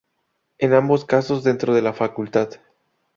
En ambos casos dentro de la facultad.